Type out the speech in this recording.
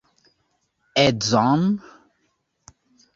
Edzon?